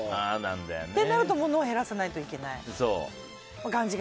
ってなると物を減らさなきゃいけない。